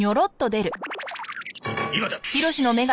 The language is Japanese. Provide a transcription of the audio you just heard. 今だ！